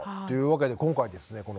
というわけで今回ですね